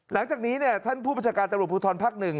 หลังจากนี้ท่านผู้บัญชาการตำรวจภูทรภักดิ์๑